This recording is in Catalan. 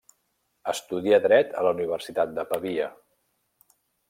Estudià dret a la Universitat de Pavia.